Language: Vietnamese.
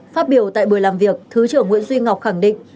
phát biểu tại buổi làm việc thứ trưởng nguyễn duy ngọc khẳng định